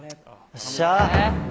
よっしゃー。